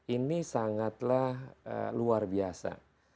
ini sangatlah luar biasa